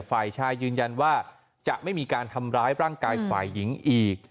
ฝ่ายชายยืนยันว่าจะไม่มีการทำร้ายร่างกายฝ่ายหญิงอีก